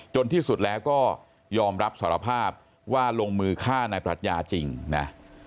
ที่สุดแล้วก็ยอมรับสารภาพว่าลงมือฆ่านายปรัชญาจริงนะ